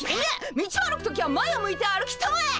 道を歩く時は前を向いて歩きたまえ！